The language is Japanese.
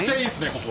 ここ。